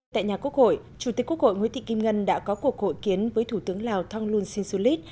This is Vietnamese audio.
tại nhà quốc hội chủ tịch quốc hội nguyễn thị kim ngân đã có cuộc hội kiến với thủ tướng lào thonglun sinsulit